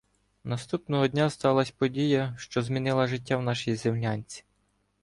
Наступного дня сталася подія, що змінила життя в нашій землянці.